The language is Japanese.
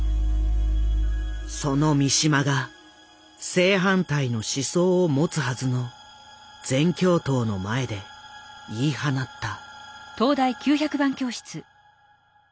その三島が正反対の思想を持つはずの全共闘の前で言い放った。